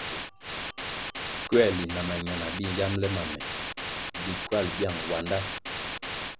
Kuerli na mañana bi nyambele ma me bi ckywal biang wandá.